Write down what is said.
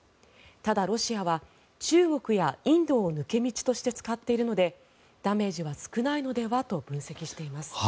ただ、ロシアは中国やインドを抜け道として使っているのでダメージは少ないのではと分析しています。